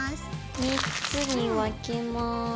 ３つに分けます。